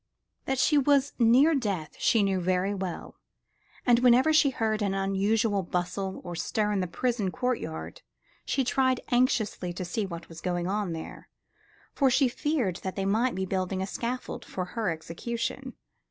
That she was near death she knew very well; and whenever she heard any unusual bustle or stir in the prison courtyard, she tried anxiously to see what was going on there, for she feared that they might be building a scaffold for her execution.